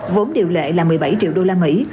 vốn điều lệ là một mươi bảy triệu đô la mỹ